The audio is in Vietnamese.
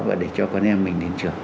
và để cho con em mình đến trường